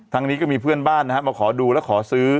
ทางนี้ก็มีเพื่อนบ้านมาขอดูและขอซื้อ